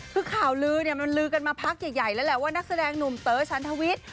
คือข่าวลือเนี่ยมันลือกันมาพักใหญ่แล้วแหละว่านักแสดงหนุ่มเต๋อชันทวิทย์